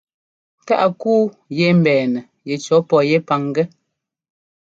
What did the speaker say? Taʼ kúu yɛ́ mbɛɛnɛ yɛcʉɔ pɔ yɛ́ pangɛ́.